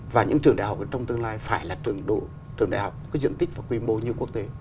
và những trường đại học trong tương lai phải là trường đại học có diện tích và quy mô như quốc tế